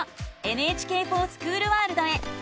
「ＮＨＫｆｏｒＳｃｈｏｏｌワールド」へ。